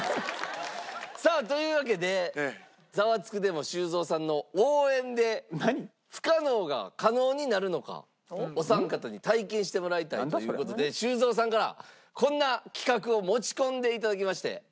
さあというわけで『ザワつく！』でも修造さんの応援で不可能が可能になるのかお三方に体験してもらいたいという事で修造さんからこんな企画を持ち込んで頂きまして。